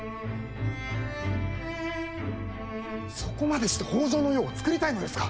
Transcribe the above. そこまでして北条の世をつくりたいのですか。